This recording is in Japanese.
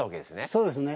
そうですね。